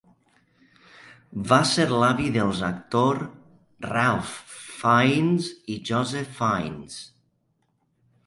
Va ser l'avi dels actor Ralph Fiennes i Joseph Fiennes.